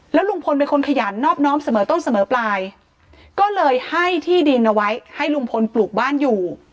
ลุงพลเป็นคนขยันนอบน้อมเสมอต้นเสมอปลายก็เลยให้ที่ดินเอาไว้ให้ลุงพลปลูกบ้านอยู่